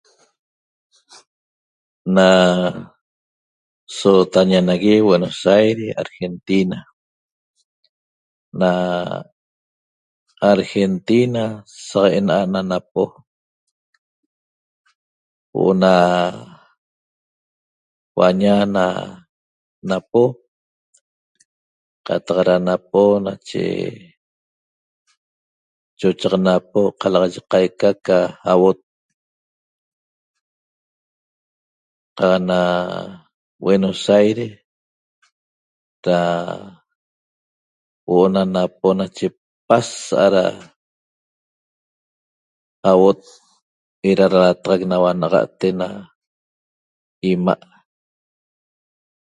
Na sotaña nagui Buenos aires argentina na argentina sa enaha na napo huoo na huanaña napo catacara napo nache chocho da napo caica da ahuoot caq na buenos aire da huo'o na napo nache pasaha da ahuoot eda da natax nahuat nagate ena imaa'